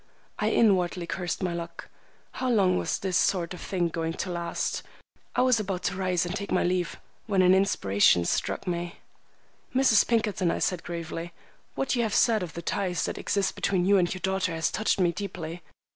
I inwardly cursed my luck. How long was this sort of thing going to last? I was about to rise and take my leave, when an inspiration struck me. "Mrs. Pinkerton," I said gravely, "what you have said of the ties that exist between you and your daughter has touched me deeply.